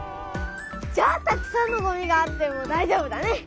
じゃあたくさんのごみがあってもだいじょうぶだね。